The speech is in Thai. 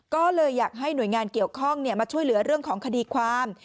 ก็เลยอยากให้หน่วยงานเกี่ยวข้องมาช่วยเหลือเรื่องของคดีความ